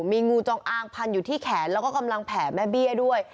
มีงูจงอางพันอยู่ที่แขนแล้วก็กำลังแผ่แม่เบี้ยด้วย